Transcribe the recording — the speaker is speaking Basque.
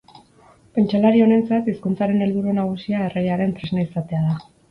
Pentsalari honentzat, hizkuntzaren helburu nagusia erregearen tresna izatea da.